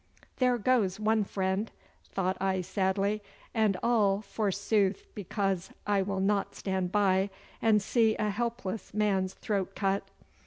'There goes one friend,' thought I sadly, 'and all forsooth because I will not stand by and see a helpless man's throat cut.